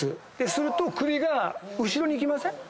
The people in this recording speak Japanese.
すると首が後ろに行きません？